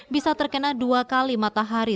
bisa terkena dua kali matahari